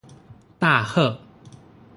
大賀